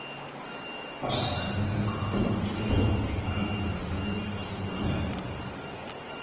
Pase de calidade do capitán donostiarra e imparable en velocidade o extremo da Real.